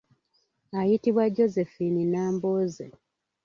Ayitibwa Josephine Nnambooze.